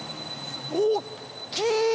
大っきい！